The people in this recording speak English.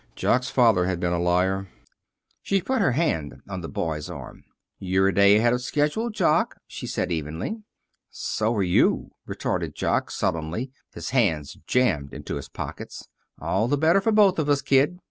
Jock's father had been a liar. She put her hand on the boy's arm. "You're a day ahead of schedule, Jock," she said evenly. "So are you," retorted Jock, sullenly, his hands jammed into his pockets. "All the better for both of us, Kid.